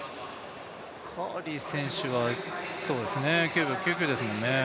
カーリー選手は９行９９ですからね。